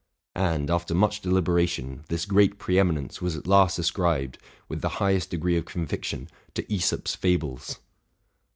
And, after much deliberation, this great pre eminence was at last ascribed, with the highest degree of conviction, to Asop's fables